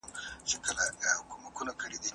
د جامو د مینځلو پر مهال د داغونو ډول معلوم کړئ.